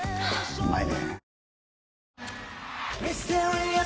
うまいねぇ。